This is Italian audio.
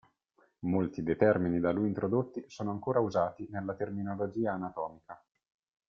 Molti dei termini da lui introdotti sono ancora usati nella terminologia anatomica.